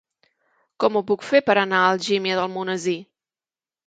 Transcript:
Com ho puc fer per anar a Algímia d'Almonesir?